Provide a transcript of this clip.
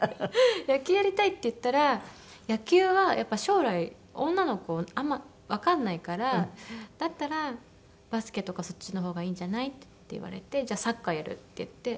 「野球やりたい」って言ったら「野球は将来女の子あんまりわかんないからだったらバスケとかそっちの方がいいんじゃない？」って言われて「じゃあサッカーやる」って言って。